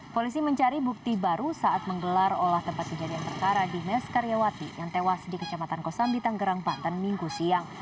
polisi mencari bukti baru saat menggelar olah tempat kejadian perkara di mes karyawati yang tewas di kecamatan kosambi tanggerang banten minggu siang